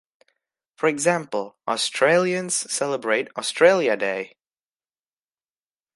For example, Australians celebrate Australia Day.